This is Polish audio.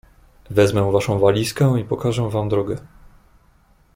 "Wezmę waszą walizkę i pokażę wam drogę."